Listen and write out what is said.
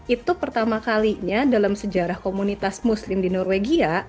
itu pertama kalinya dalam sejarah komunitas muslim di norwegia